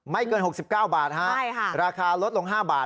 ไม่เกิน๖๙บาทราคาลดลง๕บาท